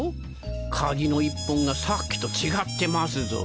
鍵の１本がさっきと違ってますぞ。